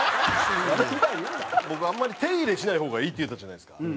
僕あんまり手入れしない方がいいって言ったじゃないですか。